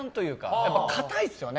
やっぱ固いですよね。